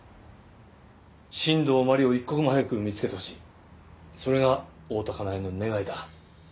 新道真理を一刻も早く見つけてほしいそれが大多香苗の願いだ。